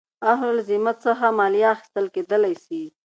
د اهل الذمه څخه مالیه اخیستل کېدلاى سي.